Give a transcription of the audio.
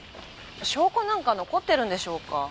証拠なんか残ってるんでしょうか？